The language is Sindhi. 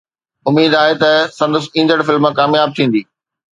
اميد آهي ته سندس ايندڙ فلم ڪامياب ٿيندي